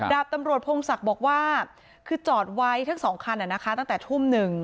ดาบตำรวจพงศักดิ์บอกว่าคือจอดไว้ทั้งสองคันตั้งแต่ทุ่มหนึ่ง